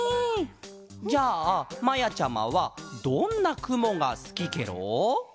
じゃあまやちゃまはどんなくもがすきケロ？